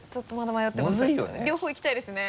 両方行きたいですね。